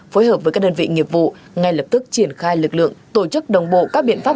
phối hợp với các đơn vị nghiệp vụ ngay lập tức triển khai lực lượng tổ chức đồng bộ các biện pháp